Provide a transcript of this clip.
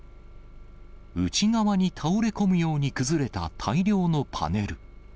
内側に倒れ込むように崩れた大量のパネル。